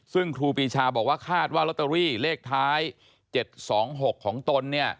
ซึ่งครูปีชาบอกว่าคาดว่าลอตเตอรี่เลขท้าย๗๒๖ของตน